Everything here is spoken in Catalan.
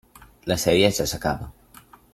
La sèrie ja s'acaba.